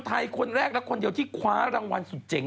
คนแรกและคนเดียวที่คว้ารางวัลสุดเจ๋ง